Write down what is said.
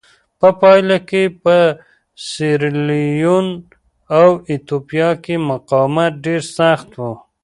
په پایله کې په سیریلیون او ایتوپیا کې مقاومت ډېر سخت و.